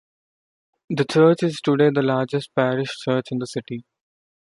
The church is today the largest parish church in the City.